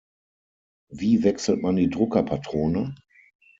Wie wechselt man die Druckerpatrone?